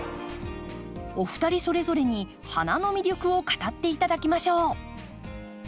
お二人それぞれに花の魅力を語って頂きましょう。